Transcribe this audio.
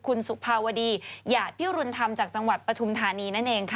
คุณสุภาวดีหยาดพิรุณธรรมจากจังหวัดปฐุมธานีนั่นเองค่ะ